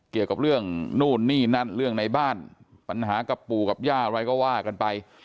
เกี่ยวกับเรื่องนู่นนี่นั่นเรื่องในบ้านปัญหากับปู่กับย่าอะไรก็ว่ากันไป